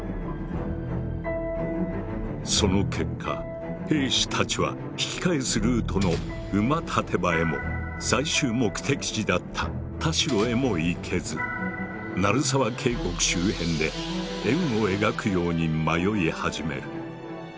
その結果兵士たちは引き返すルートの馬立場へも最終目的地だった田代へも行けず鳴沢渓谷周辺で円を描くように迷い始める。